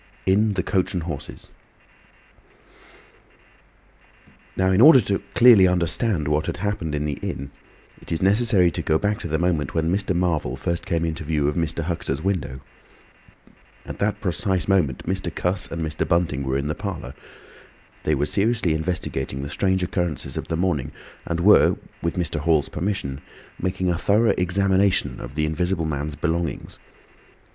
IN THE "COACH AND HORSES" Now in order clearly to understand what had happened in the inn, it is necessary to go back to the moment when Mr. Marvel first came into view of Mr. Huxter's window. At that precise moment Mr. Cuss and Mr. Bunting were in the parlour. They were seriously investigating the strange occurrences of the morning, and were, with Mr. Hall's permission, making a thorough examination of the Invisible Man's belongings.